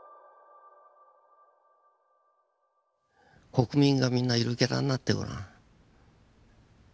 国民がみんなゆるキャラになってごらん。